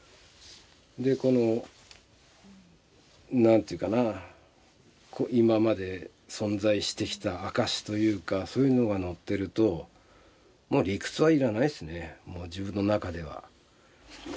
でこの何ていうかな今まで存在してきた証しというかそういうのがのってると理屈は要らないですね自分の中では。